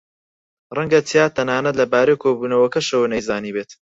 ڕەنگە چیا تەنانەت لەبارەی کۆبوونەوەکەشەوە نەیزانیبێت.